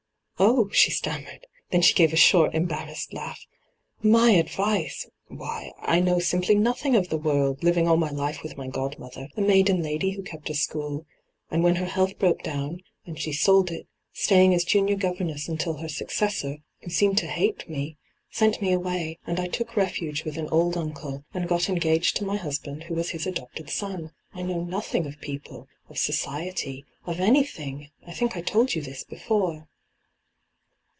' Oh I' she stammered. Then she gave a short, embarrassed laugh. ' My advice 1 Why, I know simply nothing of the world, living all my life with my godmother, a maiden lady who kept a school, and when her health broke down, and she sold it, staying as junior governess until her successor, who D,gt,, 6rtbyGOOglC 204 ENTRAPPED seemed to hate me, sent me away, and I took refuge with an old uncle, and got engaged to my husband, who was his adopted son. I know nothing of people, of society, of any thing. I think I told you this before.'